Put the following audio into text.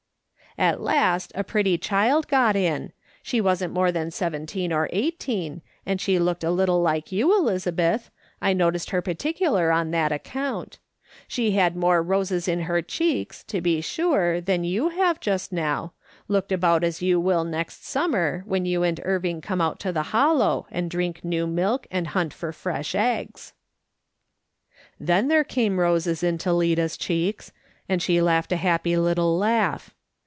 " At last a pretty child got in ; she wasn't more than seventeen or eighteen, and she looked a little like you, Elizabeth, I noticed her particular on that account; she had more roses in her cheeks, to be sure, than you have just now ; looked about as you will next summer when you and Irving come out to the Hollow, and drink new milk and hunt for fresh eggs." Then there came roses into Lida's cheeks, and she laughed a happy little laugh.